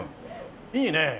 いいねえ。